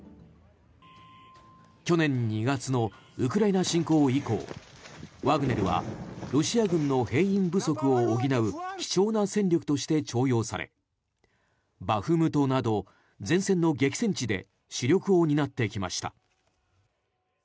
去年２月のウクライナ侵攻以降ワグネルはロシア軍の兵員不足を補う貴重な戦力として重用されバフムトなど前線の激戦地で主力を担ってきまいた。